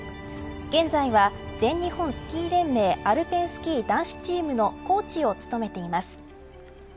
現在は全日本スキー連盟アルペンスキー男子チームのコーチを務めています。